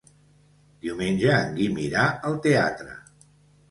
Diumenge en Guim irà al teatre.